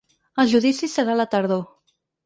El judici serà a la tardor.